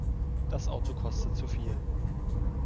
Das Auto kostet zu viel.